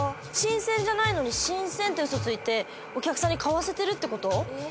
新鮮じゃないのに新鮮って嘘ついてお客さんに買わせてるってこと？